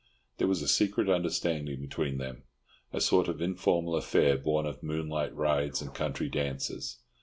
There was a secret understanding between them, a sort of informal affair born of moonlight rides and country dances.